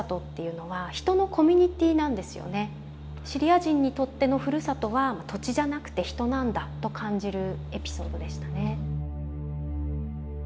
シリア人にとってのふるさとは土地じゃなくて人なんだと感じるエピソードでしたね。